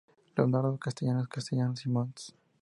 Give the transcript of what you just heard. Leonardo Castellanos Castellanos y Mons.